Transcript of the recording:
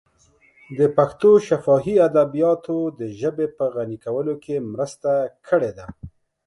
د پښتنو شفاهي ادبیاتو د ژبې په غني کولو کې مرسته کړې ده.